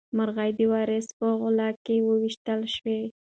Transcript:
مرغۍ د وارث په غولکه وویشتل شوه.